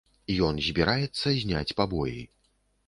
Ён збіраецца зняць пабоі.